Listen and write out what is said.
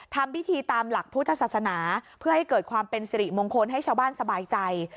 ทำพิธีตามหลักพุทธศาสนาเพื่อให้เกิดความเป็นสิริมงคลให้ชาวบ้านสบายใจ